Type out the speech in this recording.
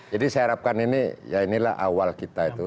jadi saya harapkan ini ya inilah awal kita itu